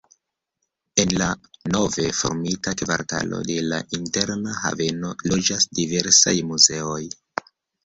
En la nove formita kvartalo de la Interna Haveno loĝas diversaj muzeoj.